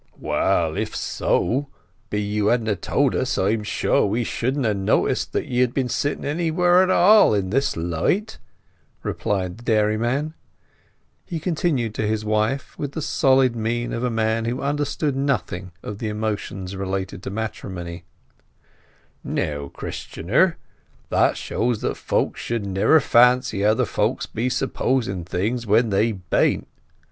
"Well—if so be you hadn't told us, I am sure we shouldn't ha' noticed that ye had been sitting anywhere at all in this light," replied the dairyman. He continued to his wife, with the stolid mien of a man who understood nothing of the emotions relating to matrimony—"Now, Christianer, that shows that folks should never fancy other folks be supposing things when they bain't.